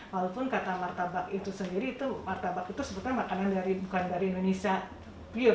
walaupun kata martabak itu sendiri itu martabak itu sebenarnya makanan bukan dari indonesia